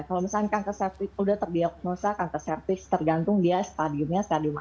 kalau misalnya cancer seks sudah terdiagnosa cancer seks tergantung dia stadiumnya stadium apa